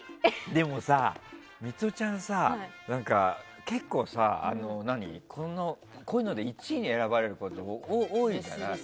でもミトちゃんさ、結構こういうので１位に選ばれることが多いから。